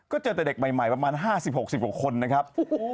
ก็เจอแต่เด็กใหม่ประมาณห้าสิบหกสิบหกคนนะครับ